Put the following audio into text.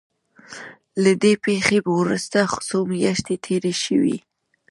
له دې پېښې وروسته څو مياشتې تېرې شوې.